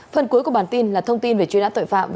phần cuối của bản tin là thông tin về truy nã tội phạm